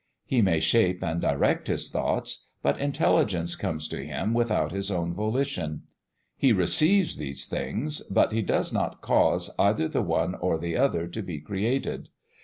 He may shape and direct his thoughts, but intelligence comes to him without his own volition. He receives these things, but he does not cause either the one or the other to be created.